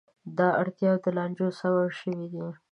دا اړتیاوې د لانجو سبب شوې دي.